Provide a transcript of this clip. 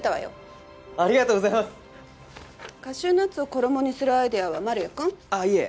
カシューナッツを衣にするアイデアは丸谷くん？あっいえ。